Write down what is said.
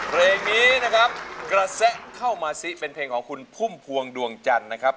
เพลงนี้นะครับเป็นเพลงของคุณพุ่มพวงดวงจันทร์นะครับ